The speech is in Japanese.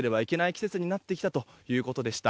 季節になってきたということでした。